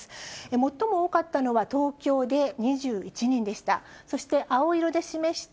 最も多かったのは東京で２１人でした。